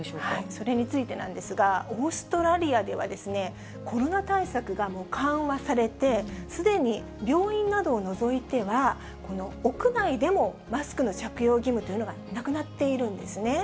それについてなんですが、オーストラリアでは、コロナ対策が緩和されて、すでに病院などを除いては、屋内でもマスクの着用義務というのがなくなっているんですね。